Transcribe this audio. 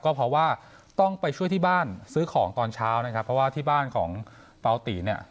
ก็เพราะว่าต้องไปช่วยที่บ้านซื้อของตอนเช้านะครับเพราะว่าที่บ้านของปาวตีเนี่ย